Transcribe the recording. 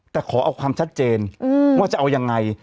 แต่ขอเอาความชัดเจนว่าจะเอายังไง